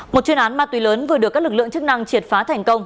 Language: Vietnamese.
một chuyên án ma túy lớn vừa được các lực lượng chức năng triệt phá thành công